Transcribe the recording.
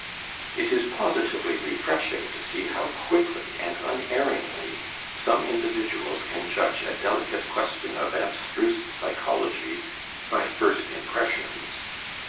It is positively refreshing to see how quickly and unerringly some individuals can judge a delicate question of abstruse psychology by first impressions.